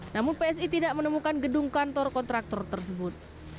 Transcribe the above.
namun psi tidak menemukan gedung kantor kontraktor tersebut